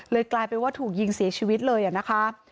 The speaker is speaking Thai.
กลายเป็นว่าถูกยิงเสียชีวิตเลยนะคะ